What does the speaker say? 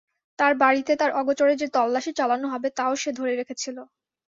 তার বাড়িতে তার অগোচরে যে তল্লাশি চালানো হবে তা-ও সে ধরে রেখেছিল।